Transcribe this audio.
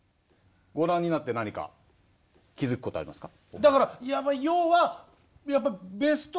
ご覧になって何か気付くことありますか？